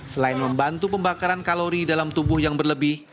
selain membantu pembakaran kalori dalam tubuh yang berlebih